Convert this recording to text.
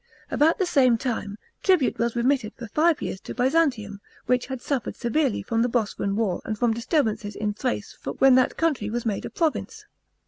About the same time, tribute was remitted for five years to Byzantium, which had suffered severely from the Bosporan war and from disturbances in Thrace when that country was made a province.